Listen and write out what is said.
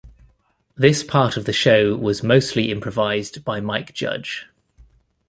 This part of the show was mostly improvised by Mike Judge.